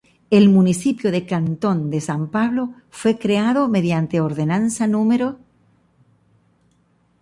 El municipio de Cantón de San Pablo fue creado mediante Ordenanza No.